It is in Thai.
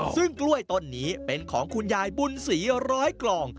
ซึ่งกล้วยต้นนี้เป็นของคุณยายบุญศรีร้อยกล่อง